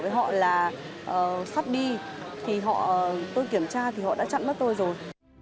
với họ là sắp đi thì tôi kiểm tra thì họ đã trận mất tôi rồi